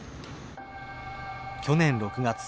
去年６月。